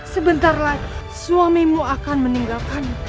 sebentar lagi suamimu akan meninggalkanmu